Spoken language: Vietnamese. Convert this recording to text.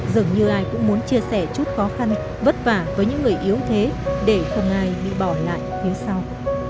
dường như ai cũng muốn chia sẻ chút khó khăn vất vả với những người yếu thế để không ai bị bỏ lại phía sau